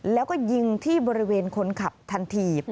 แล้วก็ยิงที่บริเวณคนขับทันที